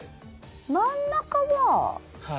真ん中は。